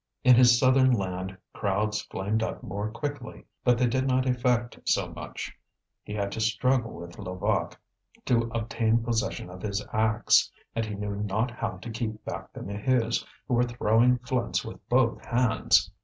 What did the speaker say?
In his southern land crowds flamed up more quickly, but they did not effect so much. He had to struggle with Levaque to obtain possession of his axe, and he knew not how to keep back the Maheus, who were throwing flints with both hands.